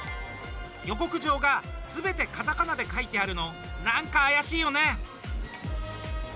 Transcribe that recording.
予告状がすべてカタカナで書いてあるのなんか怪しいよね？